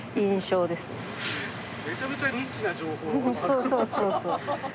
そうそうそうそう。